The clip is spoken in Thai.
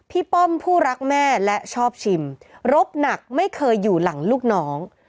ป้อมผู้รักแม่และชอบชิมรบหนักไม่เคยอยู่หลังลูกน้อง